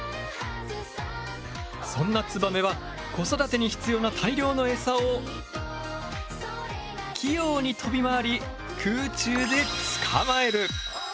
そんなツバメは子育てに必要な大量のエサを器用に飛び回りえ！？